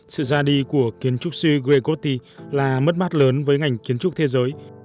sự ra đi của kiến trúc sư gregotti là mất mát lớn với ngành kiến trúc thế giới